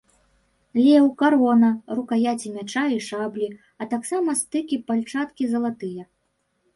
Леў, карона, рукаяці мяча і шаблі, а таксама стыкі пальчаткі залатыя.